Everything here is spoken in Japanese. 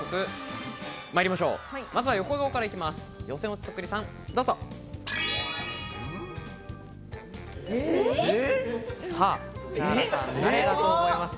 まずは横顔から参ります。